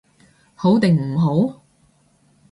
好定唔好？